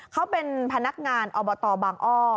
เขาเป็นพนักงานอบตบางอ้อ